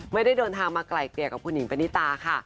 ไม่ได้เดินทางไกลเกลี่ยกับคุณหญิงปณิตาค่ะ